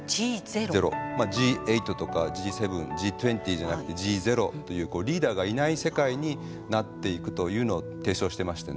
Ｇ８とかＧ７Ｇ２０じゃなくてＧゼロというリーダーがいない世界になっていくというのを提唱してましてね。